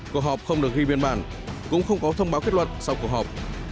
cuộc họp không được ghi biên bản cũng không có thông báo kết luận sau cuộc họp